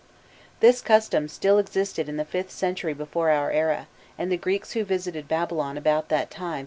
* This custom still existed in the Vth century before our era, and the Greeks who visited Babylon about that time found it still in full force.